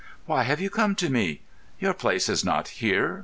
Why have you come to me? Your place is not here.